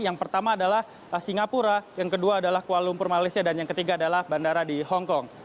yang pertama adalah singapura yang kedua adalah kuala lumpur malaysia dan yang ketiga adalah bandara di hongkong